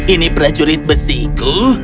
ini prajurit besiku